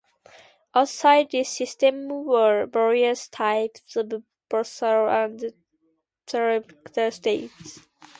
Outside this system were various types of vassal and tributary states.